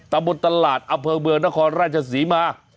ตามบนตลาดอเผลอเมืองนครราชสีมา